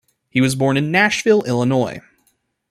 He was born in Nashville, Illinois.